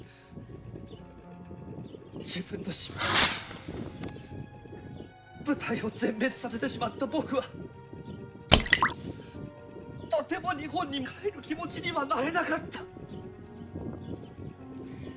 自分の失敗で部隊を全滅させてしまった僕はとても日本に帰る気持ちにはなれなかった。